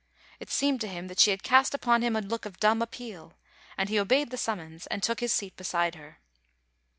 It seemed to him that she had cast upon him a look of dumb appeal, and he obeyed the sum mons and took his seat beside her.